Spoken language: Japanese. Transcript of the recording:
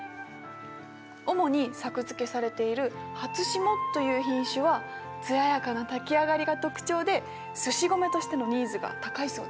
主に作付けされているハツシモという品種は艶やかな炊き上がりが特徴ですし米としてのニーズが高いそうです。